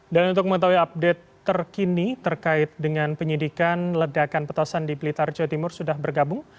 dan untuk mengetahui update terkini terkait dengan penyidikan ledakan petosan di blitar jawa timur sudah bergabung